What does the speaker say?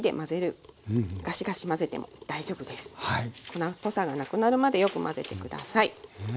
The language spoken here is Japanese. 粉っぽさがなくなるまでよく混ぜて下さい。